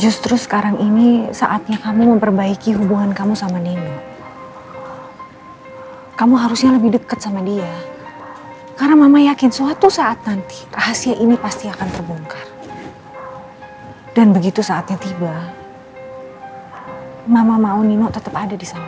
justru sekarang ini saatnya kamu memperbaiki hubungan kamu sama nino kamu harusnya lebih dekat sama dia karena mama yakin suatu saat nanti rahasia ini pasti akan terbongkar dan begitu saatnya tiba mama mau ninu tetap ada di sana